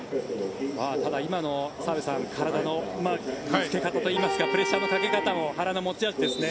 ただ、今の澤部さん体のぶつけ方といいますかプレッシャーのかけ方も原の持ち味ですね。